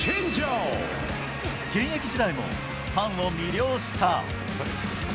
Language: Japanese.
現役時代もファンを魅了した。